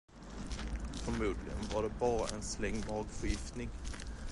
Förmodligen var det bara en släng matförgiftning.